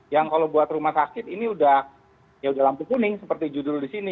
yang kalau buat rumah sakit ini udah lampu kuning seperti judul di sini